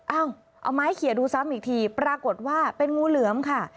เอาไม้เขียนดูซ้ำอีกทีปรากฏว่าเป็นงูเหลือมค่ะ